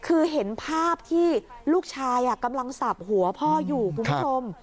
คือเห็นภาพที่ลูกชายกำลังสับหัวพ่ออยู่คุณผู้ชม